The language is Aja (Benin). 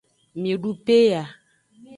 Midu peya.